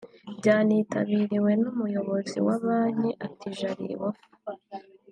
byanitabiriwe n’Umuyobozi wa Banki Attijariwafa